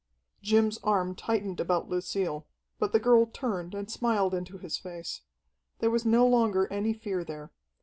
Jim's arm tightened about Lucille, but the girl turned and smiled into his face. There was no longer any fear there.